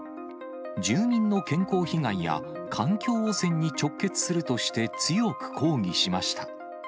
住民の健康被害や環境汚染に直結するとして、強く抗議しました。